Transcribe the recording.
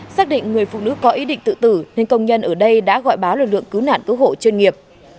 xác định người phụ nữ có ý định tự tử nên công nhân ở đây đã gọi báo lực lượng cứu nạn cứu hộ chuyên nghiệp